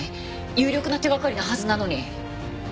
有力な手掛かりなはずなのに。